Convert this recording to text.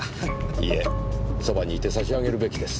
いえそばにいて差し上げるべきです。